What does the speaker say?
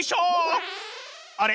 あれ？